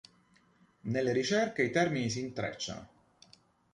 Nelle ricerche i termini si intrecciano.